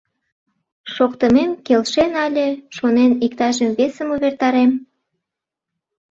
Шоктымем келшен але, шонен, иктажым весым увертарем?